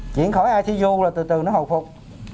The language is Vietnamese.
chuyển khỏi icu là từ từ nó hồi phục